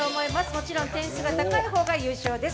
もちろん点数が高い方が優勝です。